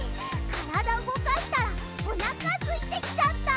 からだうごかしたらおなかすいてきちゃった！